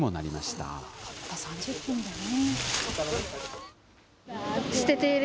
たった３０分でね。